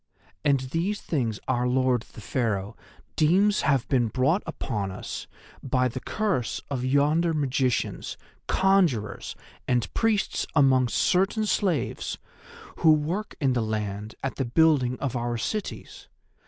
And these things our Lord the Pharaoh deems have been brought upon us by the curse of yonder magicians, conjurers and priests among certain slaves who work in the land at the building of our cities.